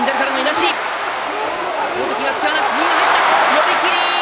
寄り切り。